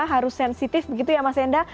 harus sensitif begitu ya mas enda